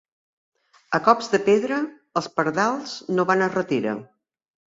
A cops de pedra, els pardals no van a ratera.